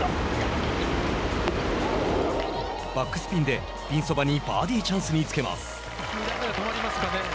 バックスピンでピンそばにバーディーチャンスにつけます。